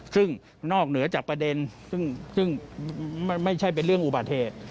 ซึ่งนอกเหนือจากประเด็นซึ่งไม่ใช่เป็นเรื่องอุบัติเหตุ